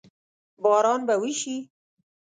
باران به وشي؟